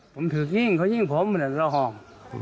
ผมถึงหยิ้งเขาหยิ้งผมเรือนเดี๋ยวห้อง